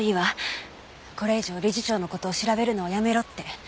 これ以上理事長の事を調べるのはやめろって。